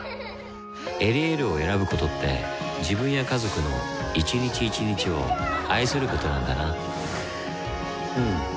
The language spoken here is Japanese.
「エリエール」を選ぶことって自分や家族の一日一日を愛することなんだなうん。